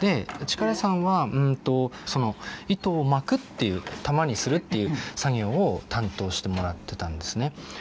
で力さんはその糸を巻くっていう玉にするっていう作業を担当してもらってたんですね。